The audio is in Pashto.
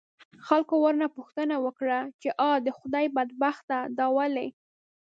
خلکو ورنه پوښتنه وکړه، چې آ د خدای بدبخته دا ولې؟